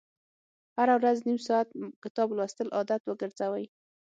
هره ورځ نیم ساعت کتاب لوستل عادت وګرځوئ.